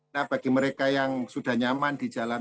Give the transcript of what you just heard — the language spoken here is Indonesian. nah bagi mereka yang sudah nyaman di jalan